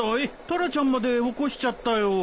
タラちゃんまで起こしちゃったよ。